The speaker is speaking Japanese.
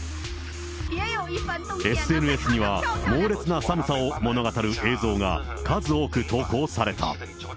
ＳＮＳには猛烈な寒さを物語る映像が数多く投稿された。